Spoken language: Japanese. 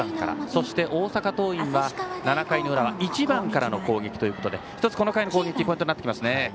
そして大阪桐蔭は、７回の裏は１番からの攻撃ということで１つ、この回の攻撃がポイントになってきますね。